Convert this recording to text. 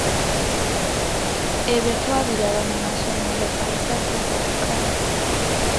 Ebyo twabiraba mu masomero asatu gokka.